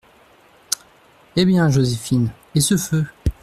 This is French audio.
Eh bien, Joséphine, et ce feu ?…